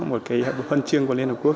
một cái huấn trương của liên hợp quốc